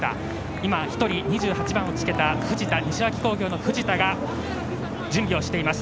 今、２８番をつけた西脇工業の藤田が準備をしています。